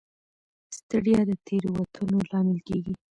ستړیا د تېروتنو لامل کېږي.